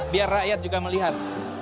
biar rakyat juga melihat